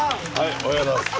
おはようございます。